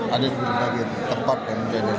ada berbagai tempat yang bisa di jawa timur